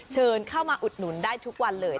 เชิญเข้ามาอุดหนุนได้ทุกวันเลย